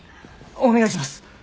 お願いします！